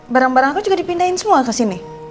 barang barang aku juga dipindahin semua ke sini